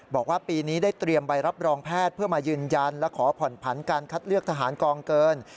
บอกว่าปีนี้ได้เตรียมใบรับรองแพทย์เพื่อมายืนยันและขอผ่อนผันการคัดเลือกทหารกองเกิน